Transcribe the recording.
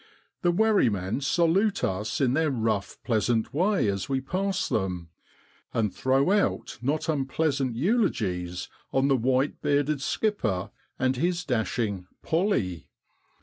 The wherry men salute us in their rough pleasant way as we pass them, and throw out not un pleasant eulogies on the white bearded skipper and his dashing ' Polly.'